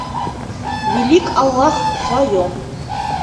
Велик Аллах, в своем